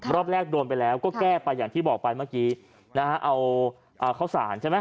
รอบแรกโดนไปแล้วก็แก้ไปอย่างที่บอกไปเมื่อกี้นะฮะเอาข้าวสารใช่ไหม